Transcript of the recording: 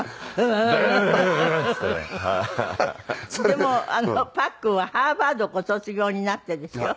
でもパックンはハーバードご卒業になってですよ